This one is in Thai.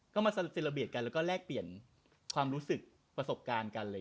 ก็มาเซลเบียดกันแล้วก็แลกเปลี่ยนความรู้สึกประสบการณ์กัน